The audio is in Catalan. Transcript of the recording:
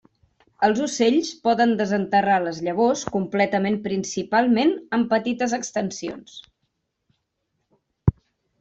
Els ocells poden desenterrar les llavors completament principalment en petites extensions.